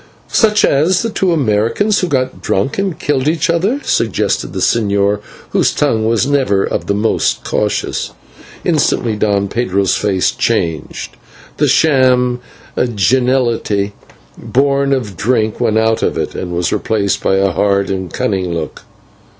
"Such as the two Americans who got drunk and killed each other," suggested the señor, whose tongue was never of the most cautious. Instantly Don Pedro's face changed, the sham geniality born of drink went out of it, and was replaced by a hard and cunning look.